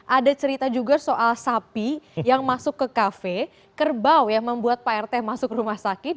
ada cerita juga soal sapi yang masuk ke kafe kerbau yang membuat pak rt masuk rumah sakit